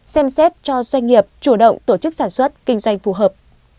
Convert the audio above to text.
xem xét cho doanh nghiệp chủ động tổ chức sản xuất kinh doanh phù hợp